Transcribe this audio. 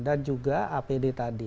dan juga apd tadi